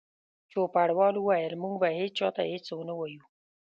چوپړوال وویل: موږ به هیڅ چا ته هیڅ ونه وایو.